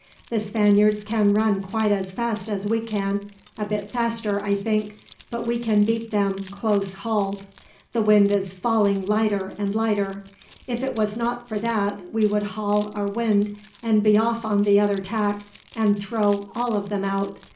The Spaniards can run quite as fast as we can a bit faster, I think; but we can beat them, close hauled. The wind is falling lighter and lighter. If it was not for that, we would haul our wind and be off on the other tack, and throw all of them out.